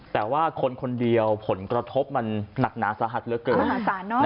แต่ว่าคนคนเดียวผลกระทบมันหนักหนาสาหัสเหลือเกิน